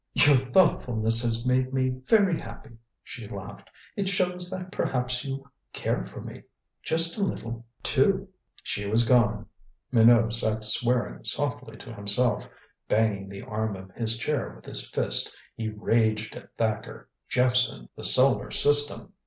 "Your thoughtfulness has made me very happy," she laughed. "It shows that perhaps you care for me just a little too." She was gone! Minot sat swearing softly to himself, banging the arm of his chair with his fist. He raged at Thacker, Jephson, the solar system.